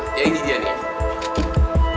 itulah yang menghasilkan